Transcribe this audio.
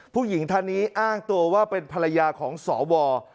ผู้หญิงท่านนี้อ้างตัวว่าเป็นภรรยาของสว